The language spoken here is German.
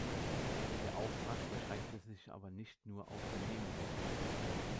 Ihr Auftrag beschränkte sich aber nicht nur auf Vernehmungen.